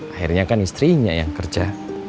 akhirnya kan istrinya yang kerja